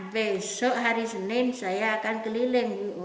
besok hari senin saya akan keliling